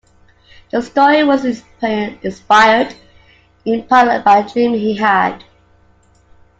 The story was inspired in part by a dream he had.